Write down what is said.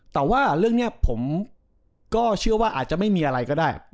แต่ว่าเรื่องนี้ผมก็เชื่อว่าอาจจะไม่มีอะไรก็ได้